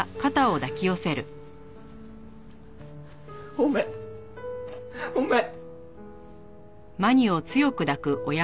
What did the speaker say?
ごめんごめん。